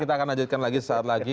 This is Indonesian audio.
kita akan lanjutkan lagi